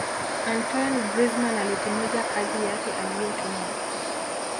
antoine grizman alitimiza kazi yake aliyotumwa